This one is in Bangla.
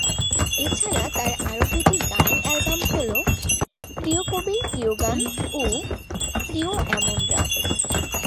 এছাড়া তার আরও দুটি গানের অ্যালবাম হল "প্রিয় কবির প্রিয় গান" ও "প্রিয় এমন রাত"।